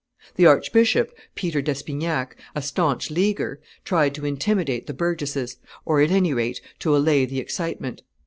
The archbishop, Peter d'Espignac, a stanch Leaguer, tried to intimidate the burgesses, or at any rate to allay the excitement.